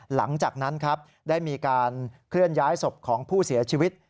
หลังจากนั้นครับได้มีการเคลื่อนย้ายศพของผู้เสียชีวิต